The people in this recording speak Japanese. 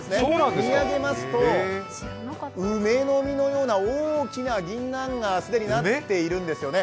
見上げますと、梅の実のような大きなぎんなん既になっているんですよね。